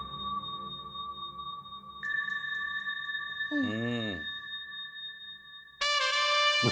うん。